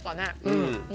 うん。